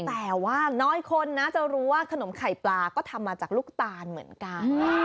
แต่ว่าน้อยคนนะจะรู้ว่าขนมไข่ปลาก็ทำมาจากลูกตาลเหมือนกัน